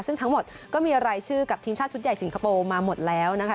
ซึ่งทั้งหมดก็มีรายชื่อกับทีมชาติชุดใหญ่สิงคโปร์มาหมดแล้วนะคะ